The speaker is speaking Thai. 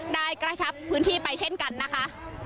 กระชับพื้นที่ไปเช่นกันนะคะ